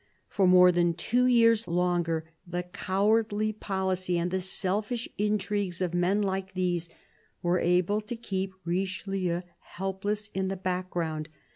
For more than two years longer, the cowardly pohcy and the selfish intrigues of men like these were able to keep Richelieu helpless in the background.